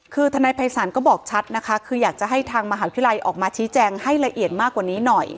คือทนายภัยศาลก็บอกชัดนะคะคืออยากจะให้ทางมหาวิทยาลัยออกมาชี้แจงให้ละเอียดมากกว่านี้หน่อย